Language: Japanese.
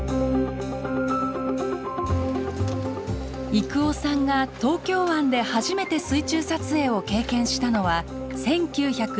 征夫さんが東京湾で初めて水中撮影を経験したのは１９７７年。